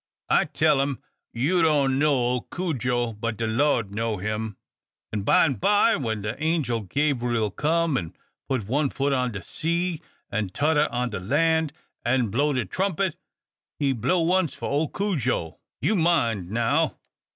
I tell him, 'You don't know old Cudjo; but de Lord know him: and by'm by, when de angel Gabriel come and put one foot on de sea, and t'odder on de land, and blow de trumpet, he blow once for old Cudjo! You mind now!'"